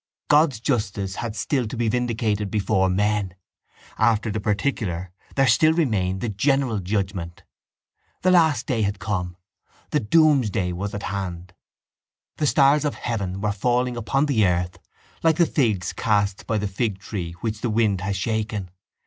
God's justice had still to be vindicated before men: after the particular there still remained the general judgement. The last day had come. Doomsday was at hand. The stars of heaven were falling upon the earth like the figs cast by the figtree which the wind has shaken.